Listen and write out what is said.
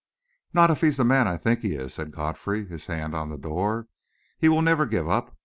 "Not if he's the man I think he is," said Godfrey, his hand on the door. "He will never give up!